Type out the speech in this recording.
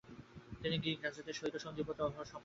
তিনি গ্রীক রাজাদের সহিত সন্ধিপত্র সম্পাদন করিয়াছিলেন।